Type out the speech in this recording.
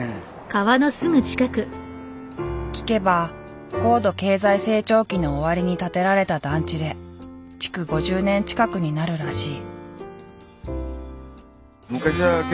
聞けば高度経済成長期の終わりに建てられた団地で築５０年近くになるらしい。